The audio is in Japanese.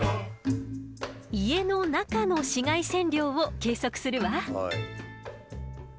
家の中の紫外線量を計測するわ。